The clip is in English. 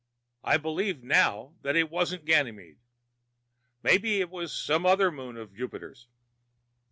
I believe now that it wasn't Ganymede. Maybe it was some other moon of Jupiter's.